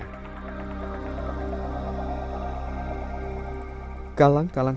kalang kalang hadangan miliknya adalah hal yang sangat penting